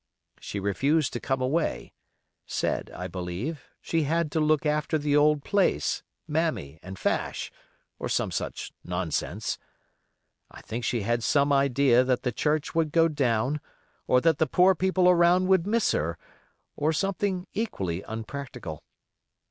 She refused to come away; said, I believe, she had to look after the old place, mammy, and Fash, or some such nonsense. I think she had some idea that the church would go down, or that the poor people around would miss her, or something equally unpractical.